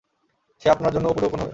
সে আপনার জন্য উপঢৌকন হবে।